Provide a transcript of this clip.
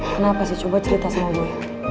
kenapa sih coba cerita sama gue